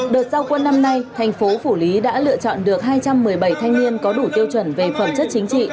đợt giao quân năm nay thành phố phủ lý đã lựa chọn được hai trăm một mươi bảy thanh niên có đủ tiêu chuẩn về phẩm chất chính trị